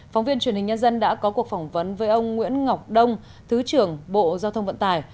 phóng viên truyền hình nhân dân đã có cuộc phỏng vấn với ông nguyễn ngọc đông thứ trưởng bộ giao thông vận tải